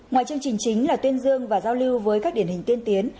ngoài chương trình chính là tuyên dương và giao lưu với các điển hình tiên tiến